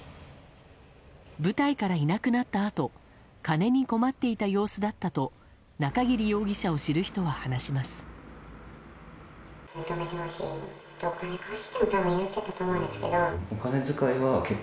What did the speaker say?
部隊からいなくなったあと金に困っていた様子だったと中桐容疑者を知る人は話します。